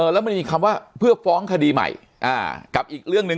แล้วมันมีคำว่าเพื่อฟ้องคดีใหม่กับอีกเรื่องหนึ่ง